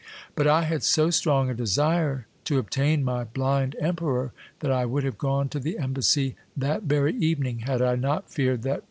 But I had so strong a desire to obtain my Blind Emperor that I would have gone to the Embassy that very evening had I not feared that M.